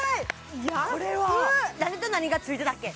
これは何と何がついてたっけ